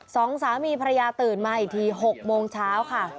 สองสามีภรรยาตื่นมาอีกที๖โมงเช้าค่ะ